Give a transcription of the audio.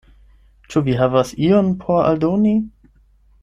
Ĉu vi havas ion por aldoni?